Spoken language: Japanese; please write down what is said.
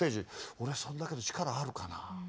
俺そんだけの力あるかな？